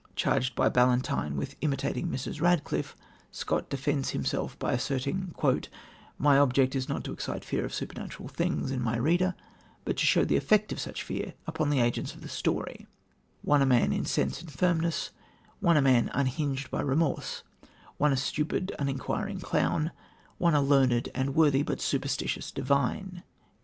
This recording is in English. Charged by Ballantyne with imitating Mrs. Radcliffe, Scott defended himself by asserting: "My object is not to excite fear of supernatural things in my reader, but to show the effect of such fear upon the agents of the story one a man in sense and firmness, one a man unhinged by remorse, one a stupid, unenquiring clown, one a learned and worthy but superstitious divine."